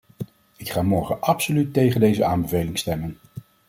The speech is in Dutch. Ik ga morgen absoluut tegen deze aanbeveling stemmen.